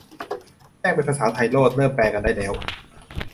แจ้งเป็นภาษาไทยโลด เริ่มแปลกันได้แล้ว